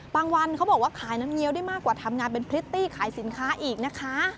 วันเขาบอกว่าขายน้ำเงี้ยวได้มากกว่าทำงานเป็นพริตตี้ขายสินค้าอีกนะคะ